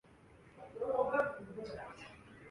کیا کوئی ایک شخص دنیا میں کوئی بدلاؤ لا سکتا ہے؟